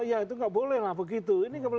ya itu nggak boleh lah begitu